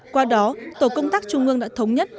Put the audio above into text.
qua đó tổ công tác trung ương đã thống nhất